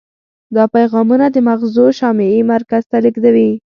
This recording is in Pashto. دا پیغامونه د مغزو شامعي مرکز ته لیږدوي.